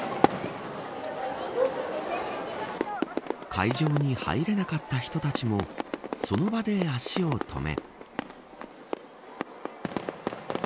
会場に入れなかった人たちもその場で足を止め。